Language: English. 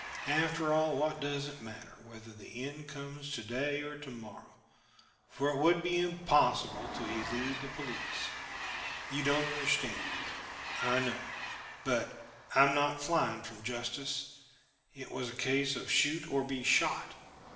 After all, what does it matter, whether the end comes to day or to morrow, for it would be impossible to elude the police. You don't understand, I know but I am not flying from justice: it was a case of shoot or be shot.